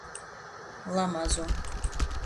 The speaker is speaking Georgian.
ლამაზო